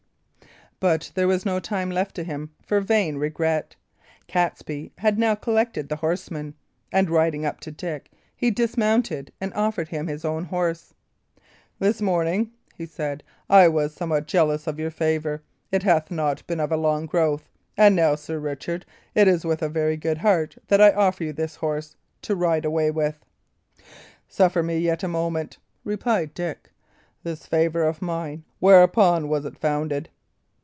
But there was no time left to him for vain regret. Catesby had now collected the horsemen, and riding up to Dick he dismounted, and offered him his own horse. "This morning," he said, "I was somewhat jealous of your favour; it hath not been of a long growth; and now, Sir Richard, it is with a very good heart that I offer you this horse to ride away with." "Suffer me yet a moment," replied Dick. "This favour of mine whereupon was it founded?"